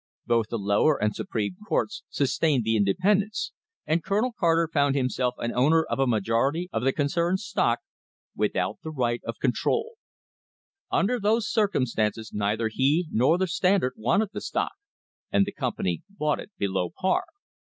Both the lower and supreme courts sustained the independents, and Colonel Carter found himself an owner of a majority of the concern's stock without the right of con trol. Under those circumstances neither he nor the Standard wanted the stock, and the company bought it below par.